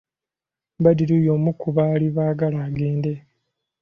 Badru y'omu ku baali baagala agende.